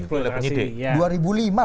itu sudah diperluas oleh penyidik